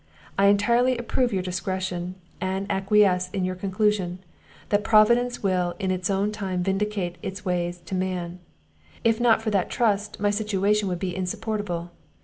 I entirely approve your discretion, and acquiesce in your conclusion, that Providence will in its own time vindicate its ways to man; if it were not for that trust, my situation would be insupportable.